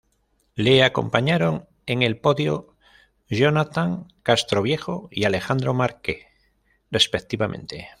Le acompañaron en el podio Jonathan Castroviejo y Alejandro Marque, respectivamente.